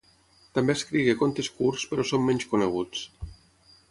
També escrigué contes curts, però són menys coneguts.